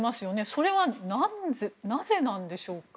それは、なぜでしょうか。